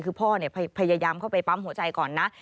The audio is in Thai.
คือพ่อพยายามเข้าไปปั๊มหัวใจก่อนนะ